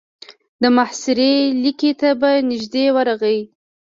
د محاصرې ليکې ته به نږدې ورغی.